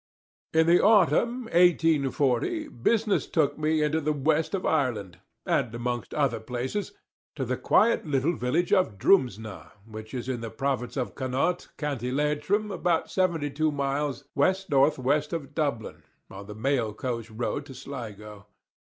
In the autumn, 184 , business took me into the West of Ireland, and, amongst other places, to the quiet little village of Drumsna, which is in the province of Connaught, County Leitrim, about 72 miles W.N.W. of Dublin, on the mail coach road to Sligo.